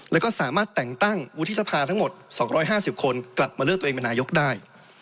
แล้วก็สามารถแต่งตั้งวุฒิสภาทั้งหมด๒๕๐คนกลับมาเลือกตัวเองเป็นนายกได้